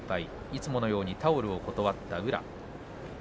いつものようにタオルを断った宇良。